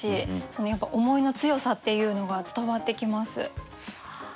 そのやっぱ思いの強さっていうのが伝わってきます。